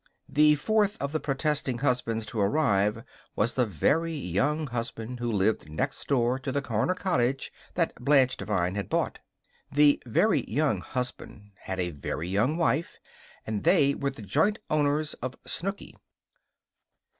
The fourth of the protesting husbands to arrive was the Very Young Husband who lived next door to the corner cottage that Blanche Devine had bought. The Very Young Husband had a Very Young Wife, and they were the joint owners of Snooky.